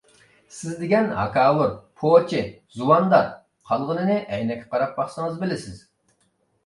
سىز دېگەن ھاكاۋۇر، پوچى، زۇۋاندار، قالغىنىنى ئەينەككە قاراپ باقسىڭىز بىلىسىز.